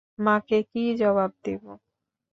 মাকে কি জবাব দেব?